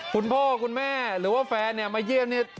คุณพ่อคุณแม่หรือว่าแฟนเนี่ยมาเยี่ยมเนี่ย